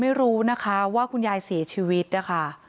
ไม่รู้นะคะว่าคุณยายเสียชีวิตนะคะ